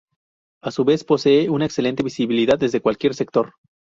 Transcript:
A su vez posee una excelente visibilidad desde cualquier sector.